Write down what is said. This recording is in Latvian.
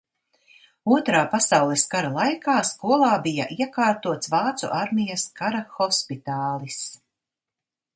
Otrā pasaules kara laikā skolā bija iekārtots vācu armijas kara hospitālis.